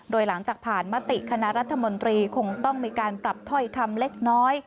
โดยหลังจากผ่านมติคณะรัฐมนตรีคงต้องมีการปรับถ้อยคำเล็กน้อย